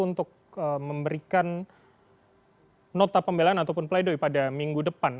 untuk memberikan nota pembelaan ataupun pleidoy pada minggu depan